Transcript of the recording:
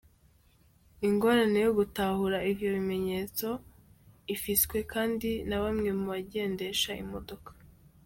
Ingorane yo gutahura ivyo bimenyetso ifiswe kandi na bamwe mu bagendesha imodoka.